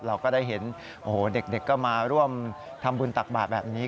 เราก็ได้เห็นโอ้โหเด็กก็มาร่วมทำบุญตักบาทแบบนี้